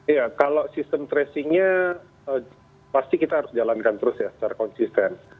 iya kalau sistem tracingnya pasti kita harus jalankan terus ya secara konsisten